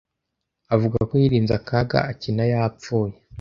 Avuga ko yirinze akaga akina yapfuye.